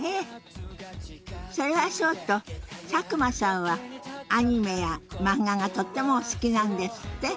それはそうと佐久間さんはアニメや漫画がとってもお好きなんですって？